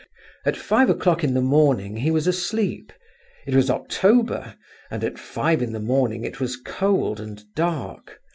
At five o'clock in the morning he was asleep—it was October, and at five in the morning it was cold and dark.